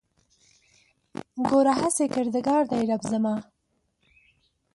ګوره هسې کردګار دی رب زما